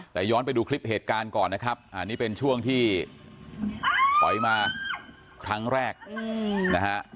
แต่ย้อนไปดูคลิปเหตุการณ์ก่อนนะครับอันนี้เป็นช่วงที่ถอยมาครั้งแรกนะฮะ